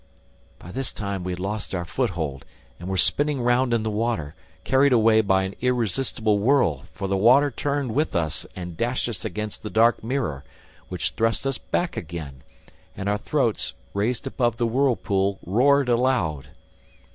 By this time, we had lost our foothold and were spinning round in the water, carried away by an irresistible whirl, for the water turned with us and dashed us against the dark mirror, which thrust us back again; and our throats, raised above the whirlpool, roared aloud.